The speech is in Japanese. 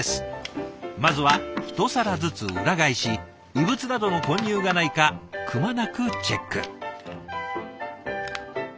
まずはひと皿ずつ裏返し異物などの混入がないかくまなくチェック。